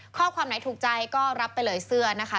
ข้อความไหนถูกใจก็รับไปเลยเสื้อนะคะ